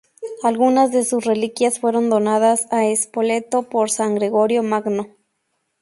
Algunas de sus reliquias fueron donadas a Spoleto por San Gregorio Magno.